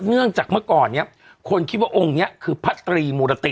เนื่องจากเมื่อก่อนเนี่ยคนคิดว่าองค์นี้คือพระตรีมูรติ